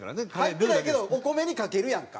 入ってないけどお米にかけるやんか。